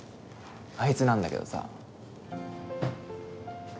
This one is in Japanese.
あいつなんだけどさ。